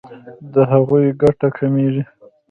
د هغوی ګټه کمیږي.